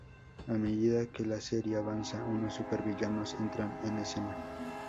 A medida que la serie avanza, unos supervillanos entran en escena.